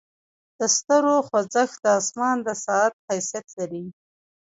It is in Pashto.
د ستورو خوځښت د اسمان د ساعت حیثیت لري.